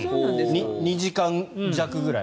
２時間弱ぐらい。